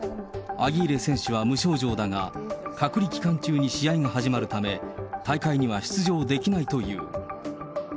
アギーレ選手は無症状だが、隔離期間中に試合が始まるため、大会には出場できないという。